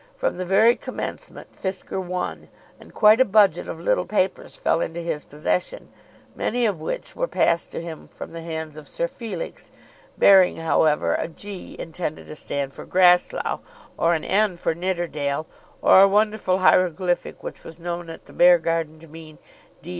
From the very commencement Fisker won, and quite a budget of little papers fell into his possession, many of which were passed to him from the hands of Sir Felix, bearing, however, a "G" intended to stand for Grasslough, or an "N" for Nidderdale, or a wonderful hieroglyphic which was known at the Beargarden to mean D.